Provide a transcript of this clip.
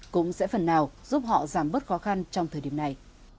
cũng sẽ phần nào giúp họ giảm bớt khó khăn trong thời điểm này